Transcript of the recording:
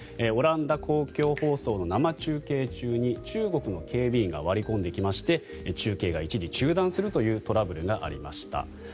オランダ公共放送の生中継中に中国の警備員が割り込んできまして中継が一時中断するというトラブルがありました。